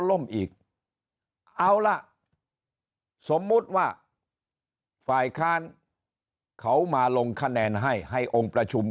ล่มอีกเอาล่ะสมมุติว่าฝ่ายค้านเขามาลงคะแนนให้ให้องค์ประชุม